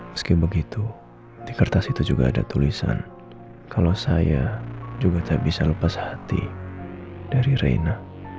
meski begitu di kertas itu juga ada tulisan kalau saya juga tak bisa lepas hati dari reina